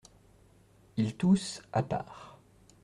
Il tousse, à part.